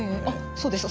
そうですか